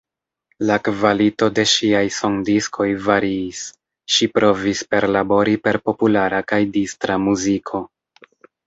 La kvalito de ŝiaj sondiskoj variis; ŝi provis perlabori per populara kaj distra muziko.